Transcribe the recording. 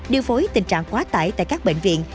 điều phối tình trạng quá tải tại các bệnh viện